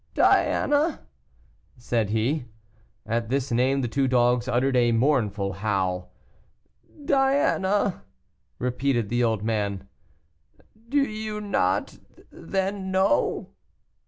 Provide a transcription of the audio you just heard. "Diana!" said he. At this name the two dogs uttered a mournful howl. "Diana!" repeated the old man; "do you not, then, know?"